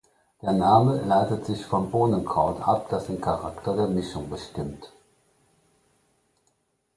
Der Name leitet sich vom Bohnenkraut ab, das den Charakter der Mischung bestimmt.